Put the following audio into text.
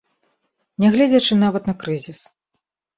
Нягледзячы нават на крызіс.